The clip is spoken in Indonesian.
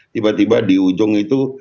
tiba tiba di ujung itu